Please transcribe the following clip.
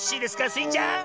スイちゃん？